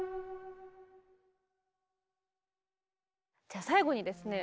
じゃあ最後にですね